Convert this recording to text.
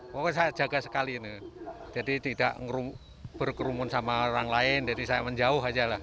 pokoknya saya jaga sekali ini jadi tidak berkerumun sama orang lain jadi saya menjauh aja lah